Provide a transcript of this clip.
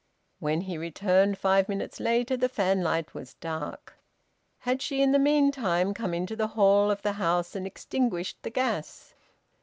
When he returned, five minutes later, the fanlight was dark. Had she, in the meantime, come into the hall of the house and extinguished the gas?